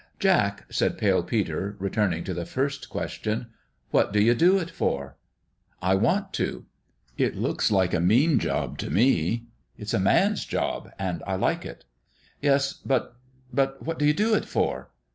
" Jack," said Pale Peter, returning to the first question, " what do you do it for ?"" I want to." " It looks like a mean job to me." " It's a man's job ! And I like it." " Yes ; but but what do you do it for